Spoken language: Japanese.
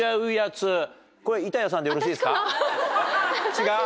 違う？